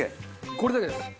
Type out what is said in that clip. これだけです。